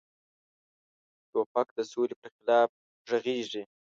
توپک د سولې پر خلاف غږیږي.